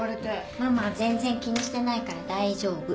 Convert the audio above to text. ママは全然気にしてないから大丈夫